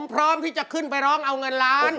พร้อมที่จะขึ้นไปร้องเอาเงินล้าน